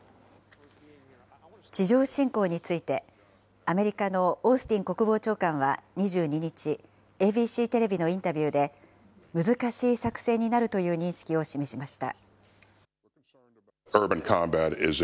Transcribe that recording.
地上侵攻について、アメリカのオースティン国防長官は２２日、ＡＢＣテレビのインタビューで、難しい作戦になるという認識を示しました。